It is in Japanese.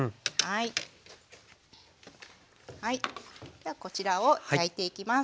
じゃあこちらを焼いていきます。